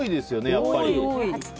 やっぱり。